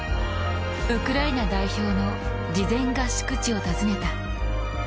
ウクライナ代表の事前合宿地を訪ねた。